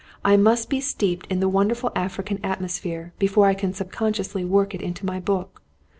"I must be steeped in the wonderful African atmosphere, before I can sub consciously work it into my book.